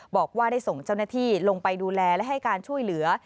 บอกว่าได้ส่งเจ้าหน้าที่ลงไปดูแลและให้การช่วยเหลือ